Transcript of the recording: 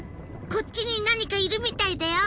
こっちに何かいるみたいだよ。